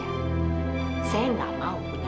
saya tidak mau punya